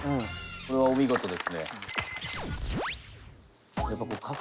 これはお見事ですね。